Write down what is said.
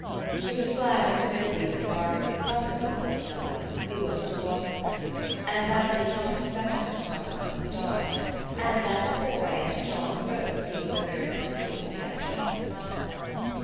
She was glad it was nobody but Barbara's brother, poor fellow ! who was 24 THE STORY OF AVIS. to walk with her, and that he did not expect her to talk about the stars, and that Coy and John Rose seemed so very comfortable together just in front of them.